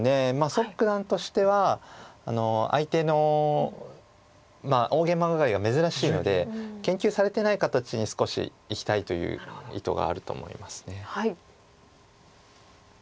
蘇九段としては相手の大ゲイマガカリが珍しいので研究されてない形に少しいきたいという意図があると思います。